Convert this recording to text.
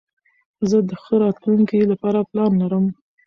زه د ښه راتلونکي له پاره پلان لرم.